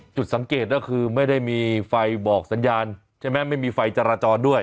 จุดสังเกตก็คือไม่ได้มีไฟบอกสัญญาณใช่ไหมไม่มีไฟจราจรด้วย